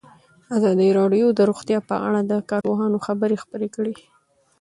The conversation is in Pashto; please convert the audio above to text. ازادي راډیو د روغتیا په اړه د کارپوهانو خبرې خپرې کړي.